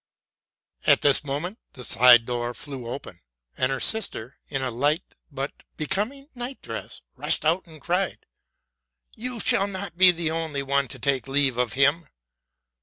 At this moment the side door flew open; and her sister, in a light but becoming night dress, rushed out and cried, You shall not be the only one to take leave of him!